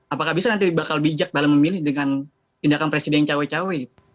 apakah bisa nanti bakal bijak dalam memilih dengan tindakan presiden cawe cawe gitu